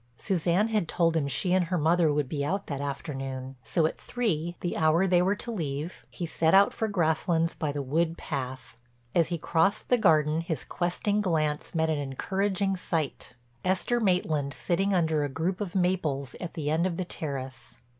Suzanne had told him she and her mother would be out that afternoon, so at three—the hour they were to leave—he set out for Grasslands by the wood path. As he crossed the garden his questing glance met an encouraging sight—Esther Maitland sitting under a group of maples at the end of the terrace.